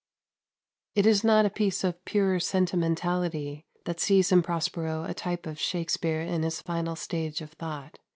131. It is not a piece of pure sentimentality that sees in Prospero a type of Shakspere in his final stage of thought.